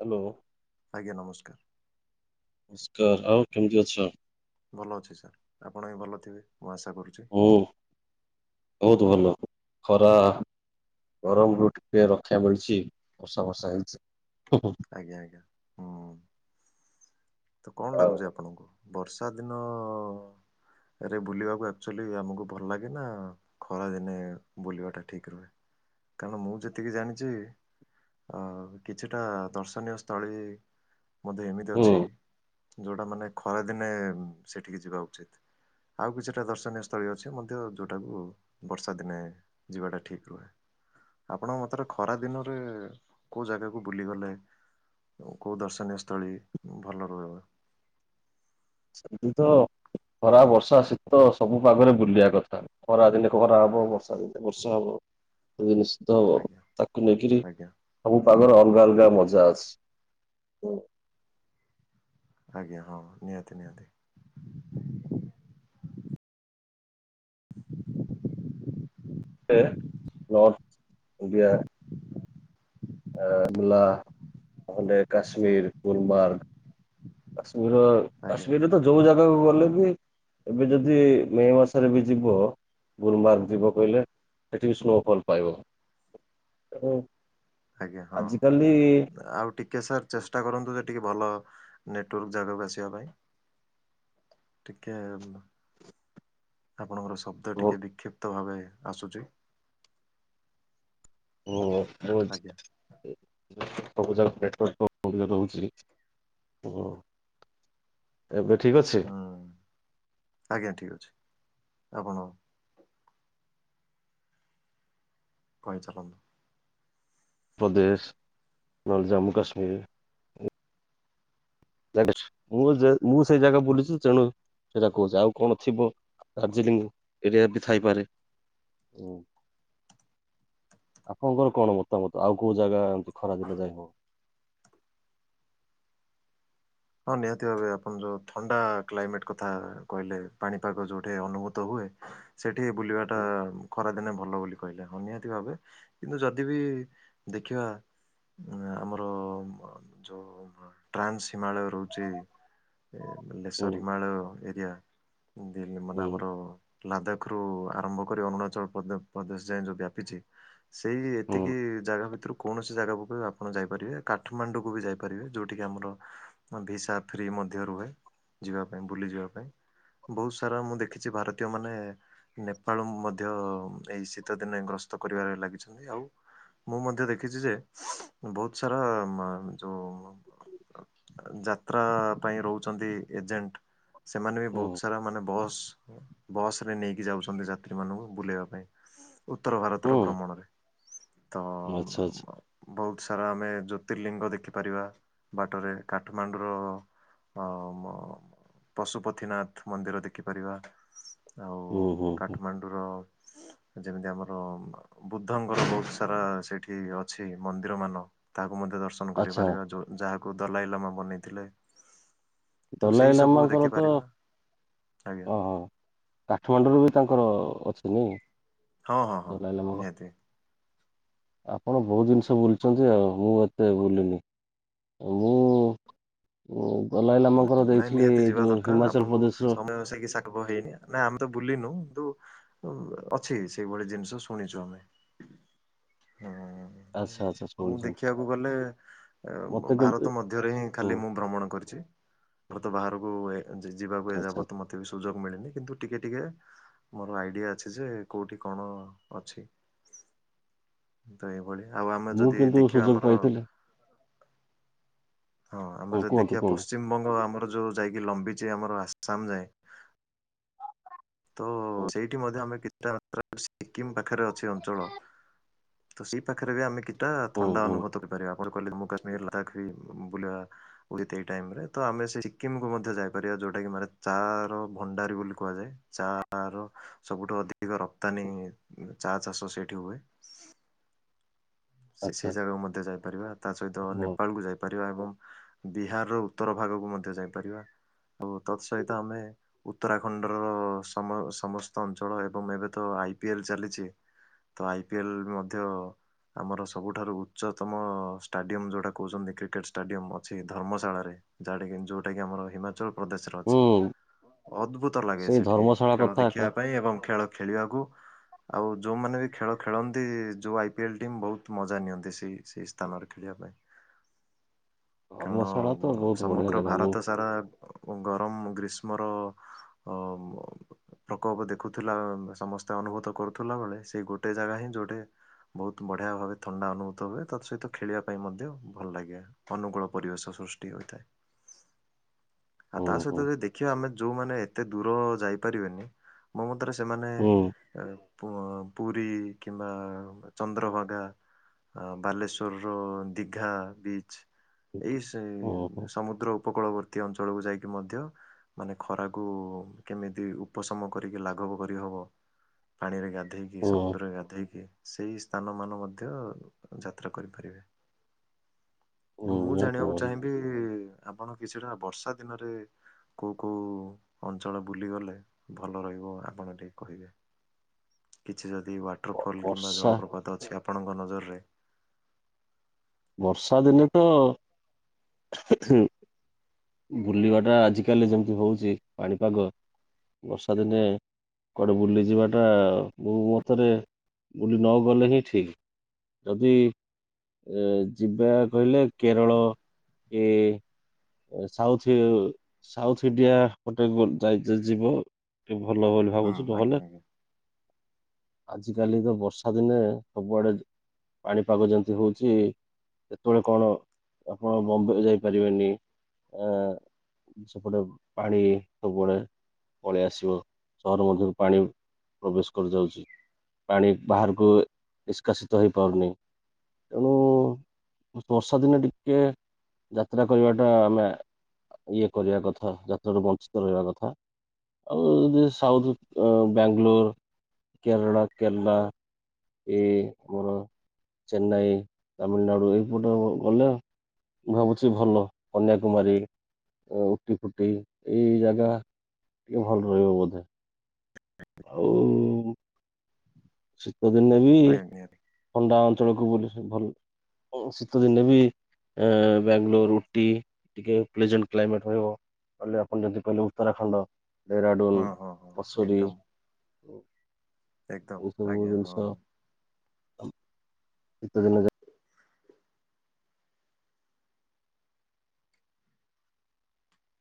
Hello. ଆଜ୍ଞା ନମସ୍କାର। ନମସ୍କାର ଆଉ କେମିତି ଅଛ? ଭଲ ଅଛି ସାର୍ ଆପଣ ବି ଭଲ ଥିବେ ମୁଁ ଆଶା କରୁଛି। ହୁଁ ବହୁତ ଭଲ ଖରା ଗରମ ରୁ ଟିକେ ରକ୍ଷା ମିଳିଛି ବର୍ଷା ଫର୍ଷା ହେଇଛି ହୁଁ ହୁଁ। ଆଜ୍ଞା ଆଜ୍ଞା। ହୁଁ ତ କଣ ଆଉ ଲାଗୁଛି ଆପଣଙ୍କୁ ବର୍ଷା ଦିନ ଆରେ ବୁଲିବାକୁ ଆକ୍ଚାଲି ଆମକୁ ଭଲ ଲାଗେ ନା ଖରାଦିନେ ବୁଲିବା ଟା ଠିକ୍ ରୁହେ କାରଣ ମୁଁ ଯେତିକି ଜାଣିଛି ଅ କିଛିଟା ଦର୍ଶନୀୟ ସ୍ଥଳୀ ବୋଧେ ଏମିତି ହୁଁ ଅଛି ଯୋଉଟା ମାନେ ଖରା ଦିନେ ସେଠିକି ଯିବା ଉଚିତ୍। ଆଉ କିଛିଟା ଦର୍ଶନୀୟ ସ୍ଥଳୀ ଅଛି ମଧ୍ୟ ଯୋଉଟାକୁ ବର୍ଷା ଦିନେ ଯିବାଟା ଠିକ୍ ରୁହେ। ଆପଣ ମତରେ ଖରା ଦିନରେ କୋଉ ଜାଗାକୁ ବୁଲିଗଲେ କୋଉ ଦର୍ଶନୀୟ ସ୍ଥଳୀ ଭଲ ରହିବ? ସେମିତି ତ ଖରା ବର୍ଷା ଶୀତ ସବୁ ପାଗରେ ବୁଲିବା କଥା। ଖରା ଦିନେ ଖାରା ହବ ବର୍ଷା ଦିନେ ବର୍ଷା ହବ ଜିନିଷ ତ ଆଜ୍ଞା ତାକୁ ନେଇକିରି ଆଜ୍ଞା ସବୁ ପାଖରେ ଅଲଗା ଅଲଗା ଆଜ୍ଞା। ମଜା ଅଛି। ଆଜ୍ଞା ହଁ ନିହାତି ନିହାତି। ଓଡ଼ିଆ। ମୁଲା ନ ହେଲେ କାଶ୍ମୀର ଗୁଲମାର୍ଗ କାଶ୍ମୀର ଆଜ୍ଞା କାଶ୍ମୀରରେ ତ ଯୋଉ ଜାଗାକୁ ଗଲେ ବି ଏବେ ଯଦି ମେ ମାସରେ ବି ଯିବ ଗୁଲମାର୍ଗ ଯିବ କହିଲେ ସେଠିକି ସ୍ନୋଫଲ ପାଇବ। ତେଣୁ ଆଜ୍ଞା ହଁ ଆଜିକାଲି ଆଉ ଟି ଟିକେ ସାର୍ ଚେଷ୍ଟା କରନ୍ତୁ ଯେ ଟିକେ ଭଲ ନେଟୱାର୍କ ଜାଗାକୁ ଆସିବା ପାଇଁ। ଟିକେ ଆପଣଙ୍କର ଶବ୍ଦ ଟିକେ ବିକ୍ଷିପ୍ତ ଭାବେ ଆସୁଛି। ହଁ [unintelligible] ଆଜ୍ଞା ବହୁତ ସବୁଯାକ ନେଟୱାର୍କ ବ ରଉଛି ଓ [inaudible] ଏବେ ଠିକ ଅଛି? ହୁଁ ଆଜ୍ଞା ଠିକ୍ ଅଛି ଆପଣ କହି ଚାଲୁନ୍ତୁ। ପଦେଶ ନହେଲେ ଜମ୍ମୁ କାଶ୍ମୀରୀ ଜାଣିଛି ମୁଁ ଜେହେ ମୁଁ ସେଇ ଜାଗା ବୁଲିଛି ତେଣୁ ସେଇଟା କହୁଛି ଆଉ କଣ ଥିବ ଦାର୍ଜିଲିଂ ଏରିଆ ବି ଥାଇପାରେ ହୁଁ। ଆପଣଙ୍କର କଣ ମତାମତ ଆଉ କୋଉ ଜାଗା ଏମିତି ଖରା ଦିନେ ଯାଇ ହବ ହଁ ନିହାତି ଭାବେ ଆପଣ ଯୋଉ ଥଣ୍ଡା କ୍ଲାଇମେଟ କଥା କହିଲେ ପାଣିପାଗ ଯୋଉଠି ଅନୁଭୂତ ହୁଏ। ସେଠି ବୁଲିବାଟା ହୁଁ ଖରାଦିନେ ଭଲ ବୋଲି କହିଲେ ନିିହାତି ଭାବେ କିନ୍ତୁ ଯଦି ବି ଦେଖିବା ଆମର ଯୋଉ ଟ୍ରାନ୍ସ ହିମାଳୟ ରହୁଛି ଲେସର ହୁଁ ହିମାଳୟ ଏରିଆ। ଦିଲ୍ଲୀ ମାନେ ଆମର ଲାଦାଖ ରୁ ଆରମ୍ଭ କରି ଅରୁଣାଚଳ ପଦେ ପ୍ରଦେଶ ଯାଏଁ ଯୋଉ ବ୍ୟାପିଛି। ସେଇ ହୁଁ ଏତିକି ଜାଗା ଭିତରୁ କୌଣସି ଜାଗାକୁ ବି ଆପଣ ଯାଇପାରିବେ କାଠମାଣ୍ଡୁକୁ ବି ଯାଇପାରିବେ ଯେଉଁଠ କିି ଆମର ଭିସା ଫ୍ରି ମଧ୍ୟ ରୁହେ ଯିବା ପାଇଁ ବୁଲି ଯିବା ପାଇଁ। ବହୁ ସାରା ମୁଁ ଦେଖିଛି ଭାରତୀୟ ମାନେ ନେପାଳ ମଧ୍ୟ ଏଇ ଶୀତ ଦିନେ ଗ୍ରସ୍ତ କରିବାରେ ଲାଗିଛନ୍ତି ଆଉ ମୁଁ ମଧ୍ୟ ଦେଖିଛି ଯେ ବହୁତ ସାରା ମା ଯୋଉ ଯାତ୍ରା ପାଇଁ ରହୁଛନ୍ତି ଏଜେଣ୍ଟ ସେମାନେ ବି ହୁଁ ବହୁତ ସାରା ମାନେ ବସ୍ ବସ ରେ ନେଇକି ଯାଉଛନ୍ତି ଯାତ୍ରୀ ମାନଙ୍କୁ ବୁଲେଇବା ପାଇଁ ଉତ୍ତର ଭାରତର ହୁଁ ଭ୍ରମଣରେ। ତ ଆଚ୍ଛା ମ୍ ଆଚ୍ଛା ମ ବହୁତ ସାରା ଆମେ ଜ୍ୟୋତିର୍ଲିଙ୍ଗ ଦେଖିପାରିବା ବାଟରେ। କାଠମାଣ୍ଡୁର ଅ ମ ପଶୁପତିନାଥ ମନ୍ଦିର ଦେଖିପାରିବା ଆଉ ହୁଁ ହୁଁ। କାଠମାଣ୍ଡୁର ଯେମିତି ଆମର ଓ ବୁଦ୍ଧଙ୍କର ବହୁତ ସାରା ସେଠି ଅଛି ମନ୍ଦିର ମାନ ତାହାକୁ ମଧ୍ୟ ଦର୍ଶ ଆଚ୍ଛା। ଯାହାକୁ ଦଲାଇଲମା ବନେଇଥିଲେ। ତ ସେଇ ସବୁ ଦଲାଇଲାମାଙ୍କର ତ ଦେଖିପାରିବା ଆଜ୍ଞା ଓ ହୋ। କାଠମାଣ୍ଡୁରୁ ବି ତାଙ୍କର ଅଛି ନାଇଁ ହଁ ହଁ ହଁ ଦଲାଇଲାମାର? ନିହାତି। ଆପଣ ବହୁତ ଜିନିଷ ବୁଲିଛନ୍ତି ଆଉ, ମୁଁ ଏତେ ବୁଲିନି। ଅ, ମୁଁ ମୁଁ ଦଲାଇଲାମାଙ୍କର ଦେଇଥିଲି ଯୋ ହିମାଚଲ ପ୍ରଦେଶର ତୋମି ସେ କି ସା ସବୁ ହେଇନି ଆ। ଓ, ଅଛି ସେଇଭଳି ଜିନିଷ ଶୁଣିଛୁ ଆମେ, ହଁ ଅଁ, ଆଚ୍ଛା ଆଚ୍ଛା ମୁଁ ଶୁଣିଛନ୍ତି। ଦେଖିବାକୁ ଗଲେ ଅ, ମତେ କିନ୍ତୁ ଭାରତ ମଧ୍ୟରେ ହିଁ ହୁଁ ଖାଲି ମୁଁ ଭ୍ରମଣ କରିଛି। ଘର ତ ବାହାରକୁ ଏ ଯି-ଯିବାକୁ ଆଚ୍ଛା ଏଯାବତ ମୋତେ ବି ସୁଯୋଗ ମିଳିନି। କିନ୍ତୁ ଟିକେ ଟିକେ ମୋର ଆଇଡିଆ ଅଛି ଯେ କୋଉଠି କଣ ଅଛି। ତ ଏଇଭଳି, ଆଉ ଆମେ ମୁଁ ଯଦି କିନ୍ତୁ ଦେଖିବା ସୁଯୋଗ ଆମର ପାଇଥିଲି ହଁ ଆମେ ଯଦି କୁହନ୍ତୁ ଦେଖିବା କୁହନ୍ତୁ। ପଶ୍ଚିମବଙ୍ଗ ଆମର ଯୋଉ ଯାଇକି ଲମ୍ବିଛି ଆମର ଆସାମ ଯାଏଁ। ତ ହୁଁ ସେଇଠି ମଧ୍ୟ ଆମେ କିଛିଟା [unintelligible] ସିକିମ ପାଖରେ ଅଛି ଅଞ୍ଚଳ। ତ ସେଇ ପାଖରେ ବି ଆମେ କିଛିଟା ହୁଁ ଥଣ୍ଡା ହୁଁ ଅନୁଭତ କରିପାରିବା। ଆପଣ କହିଲେ ଜମ୍ମୁ କାଶ୍ମୀର ଲଦାଖ ବି ବୁଲିବା। ଉଇଥ୍ ଏଇ ଟାଇମ୍ ରେ ତ ଆମେ ସେ ସିକିମକୁ ମଧ୍ୟ ଯାଇପାରିବା, ଯୋଉଟା କି ମାନେ ଚାର ଭଣ୍ଡାରୀ ବୋଲି କୁହାଯାଏ। ଚା ର ସବୁଠୁ ଅଧିକ ରପ୍ତାନୀ ଉଁ, ଚା ଚାଷ ସେଇଠି ହୁଏ। ସେ ଆଚ୍ଛା ସେଇ ଜାଗାକୁ ମଧ୍ୟ ଯାଇପାରିବା, ତା ସହିତ ହୁଁ ନେପାଳ କୁ ଯାଇ ପାରିବା ଏବଂ ବିହାରର ଉତ୍ତର ଭାଗକୁ ମଧ୍ୟ ଯାଇପାରିବା। ଆଉ ତତ୍ ସହିତ ଆମେ ଉତ୍ତରାଖଣ୍ଡର ସମ ସମସ୍ତ ଅଞ୍ଚଳ ଏବଂ ଏବେ ତ ଆଇପିଏଲ୍ ଚାଲିଛି। ତ ଆଇପିଏଲ୍ ମଧ୍ୟ ଆମର ସବୁଠାରୁ ଉଚ୍ଚତମ ଷ୍ଟାଡିୟମ୍ ଯୋଉଟା କହୁଛନ୍ତି କ୍ରିକେଟ୍ ଷ୍ଟାଡ଼ିୟମ୍ ଅଛି ଧର୍ମଶାଳାରେ। ଯାହା ଟା କିି ଯୋଉଟା କି ଆମର ହିମାଚଳ ପ୍ରଦେଶରେ ଅଛି, ହୁଁ ଅଦ୍ଭୁତ ଲାଗେ ସେଇ ସେଠି, ଧର୍ମଶାଳା ଖେଳ କଥା ଏକା ଦେଖିବା ପାଇଁ ଏବଂ ଖେଳ ଖେଳିବାକୁ। ଆଉ ଯୋଉମାନେ ବି ଖେଳ ଖେଳନ୍ତି ଯୋଉ ଆଇପିଏଲ୍ ଟିମ୍ ବହୁତ ମଜା ନିଅନ୍ତି ସେଇ ସେଇ ସ୍ଥାନରେ ଖେଳିବା ପାଇଁ। କାରଣ ଧର୍ମଶାଳା ମ- ତ ବହୁତ ବଢିଆ ସମଗ୍ର ଜାଗା ମୁଁ ଭାରତ ସାରା ଗରମ ଗ୍ରୀଷ୍ମର ଅ, ମ- କ ପ୍ରକୋପ ଦେଖୁଥିଲା ସମସ୍ତେ ଅନୁଭୂତ କରୁଥିଲା ବେଳେ ସେଇ ଗୋଟେ ଜାଗା ହିଁ ଯୋଉଠି ବଢ଼ିଆ ଭାବେ ଥଣ୍ଡା ଅନୁଭୂତ ହୁଏ, ତତ୍ ସହିତ ଖେଳିବା ପାଇଁ ମଧ୍ୟ ଭଲଲାଗେ। ଅନୁକୂଳ ପରିବେଶ ସୃଷ୍ଟି ହୋଇଥାଏ। ଆଉ ହୁଁ ତା ହୁଁ ସହିତ ବି ଯଦି ଦେଖିବା ଆମେ ଯୋଉମାନେ ଏତେ ଦୂର ଯାଇପାରିବେନି। ମୋ ମତରେ ସେମାନେ ହୁଁ। ଏ ପୋ ପୁରୀ କିମ୍ବା [inaudible] ଚନ୍ଦ୍ରଭାଗାଅ, ବାଲେଶ୍ୱରର ଦୀଘା ବିଚ୍। ଏଇ ସେ ହୁଁ ହୁଁ ସମୁଦ୍ର ଉପକୂଳବର୍ତ୍ତୀ ଅଞ୍ଚଳକୁ ଯାଇକି ମଧ୍ୟ ମାନେ ଖରାକୁ କେମିତି ଉପଶମ କରିକି ଲାଘବ କରିହବ। ପାଣିରେ ଗାଧେଇକି, ହୁଁ। ସମୁଦ୍ରରେ ଗାଧେଇକି ସେଇ ସ୍ଥାନ ମାନ ମଧ୍ୟ ଯାତ୍ରା କରିପାରିବେ। ଏ ମୁଁ ନିହାତି ଜାଣିବାକୁ ଭାବେ ଚାହିଁବି ଆପଣ କିଛିଟା ବର୍ଷା ଦିନରେ କୋଉ କୋଉ ଅଞ୍ଚଳ ବୁଲିଗଲେ ଭଲ ରହିବ ଆପଣ ଟିକେ କହିବେ? କିଛି ଯଦି ବ- ୱାଟରଫଲ୍ କିମ୍ବା ବର୍ଷା ଜଳପ୍ରପାତ ଅଛି ଆପଣଙ୍କ ନଜରରେ ବର୍ଷା ଦିନେ ତ ଉଃ ହୁଁ। ବୁଲିବା ଟା ଆଜିକାଲି ଯେମିତି ହଉଛି ପାଣିପାଗ ବର୍ଷା ଦିନେ। କୁଆଡ଼େ ବୁଲିଯିବାଟା ମୋ ମତରେ ବୁଲି ନଗଲେ ହିଁ ଠିକ୍। ଯଦି ଯିବା କହିଲେ କେରଳ ଏ ସାଉଥି ସାଉଥୀ ଇଣ୍ଡିଆ ପଟେ ବ ଯାଇ ଯିବ। ଟିକେ ଭଲ ବୋଲି ହୁଁ ଭାବୁଛୁ ଆଜ୍ଞା ନହଲେ? ଆଜ୍ଞା ଆଜି କାଲି ତ ବର୍ଷା ଦିନେ ସବୁଆଡେ ପାଣିପାଗ ଯେମିତି ହଉଛି ସେତେବେଳେ କଣ ଆପଣ ବମ୍ବେ ଯାଇପାରିବେନି। ଆ ସେପଟେ ପାଣି ସବୁଆଡେ। ପଳେଇ ଆସିବ ସହର ମଧ୍ୟରୁ ପାଣି ପ୍ରବେଶ କରିଯାଉଛି। ପାଣି ବାହାରକୁ ନିଷ୍କାସିତ ହେଇପାରୁନି। ତେଣୁ ବର୍ଷା ଦିନେ ଟିକେ ଯାତ୍ରା କରିବାଟା ଆମେ ଇଏ କରିବା କଥା ଯାତ୍ରାରୁ ବଞ୍ଚିତ ରହିବା କଥା। ଆଉ ଯିଏ ସଉଥ୍, ବ୍ୟାଙ୍ଗଲୁର୍, କେରଳ, କେରଲା ଏ ଆମର ଚେନ୍ନାଇ, ତାମିଲନାଡ଼ୁ ଏଇପଟ ଗଲେ ମୁଁ ଭାବୁଛି ଭଲ କନ୍ୟା କୁମାରୀ ଉଟି ଫୁଟି ଏଇ ଜାଗା ଟିକେ ଭଲ ରହିବ ବୋଧେ। ଆଉ ଶୀତ ଦିନେ ବି ଆଜ୍ଞା ନିହାତି ଥଣ୍ଡା ଅଞ୍ଚଳକୁ ବୁଲି କି ଭଲ ଉଁ ଶୀତ ଦିନେ ବି ଏ ବ୍ୟାଙ୍ଗଲୋର୍ ଉଟି ଟିକେ ପ୍ଲେଜେଣ୍ଟ କ୍ଲାଇମେଟ୍ ରହିବ। କହିଲେ ଆପଣ ଯଦି କହିଲେ ଉତ୍ତରାଖଣ୍ଡ, ହଁ ଡେହରାଡୁନ, ହଁ ହଁ ବସୁରୀ ଏକଦମ ଏକଦମ ଏଇ ସବୁ ଆଜ୍ଞା ହଁ ଜିନିଷ ହଁ। ଶୀତ ଦିନ ଯାଏ।